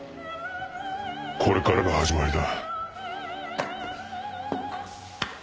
これからが始まりだ。